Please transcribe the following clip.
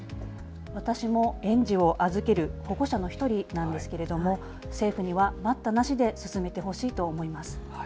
私も園児を預ける保護者の１人なんですけれども政府には待ったなしで進めてほしいと思います。